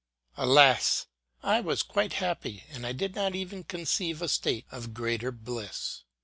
Alas ! I was quite happy, and I did not even conceive a state of greater bliss.